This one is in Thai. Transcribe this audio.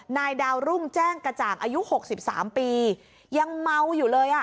นายดาวรุ่งแจ้งกระจ่างอายุ๖๓ปียังเมาอยู่เลยอ่ะ